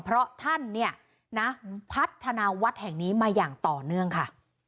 เพราะท่านเนี่ยนะพัฒนาวัดแห่งนี้มาอย่างต่อเนื่องค่ะ